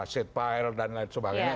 seat pile dan lain sebagainya